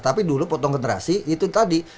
tapi dulu potong generasi itu tadi